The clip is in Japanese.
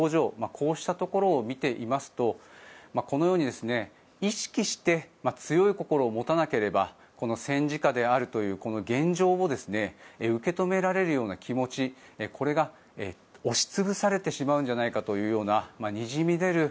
こうしたところを見ていますとこのように意識して、強い心を持たなければ戦時下であるという現状を受け止められるような気持ちこれが押し潰されてしまうんじゃないかというようなにじみ出る